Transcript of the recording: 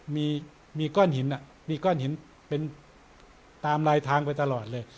มีก้อนหินมีก้อนหินเป็นตามลายทางไปตลอดเลย